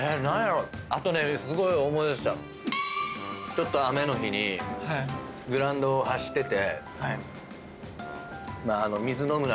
ちょっと雨の日にグラウンドを走ってて。